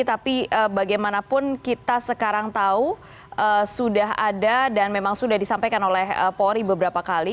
tapi bagaimanapun kita sekarang tahu sudah ada dan memang sudah disampaikan oleh polri beberapa kali